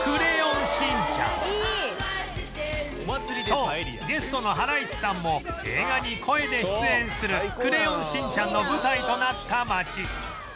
そうゲストのハライチさんも映画に声で出演する『クレヨンしんちゃん』の舞台となった町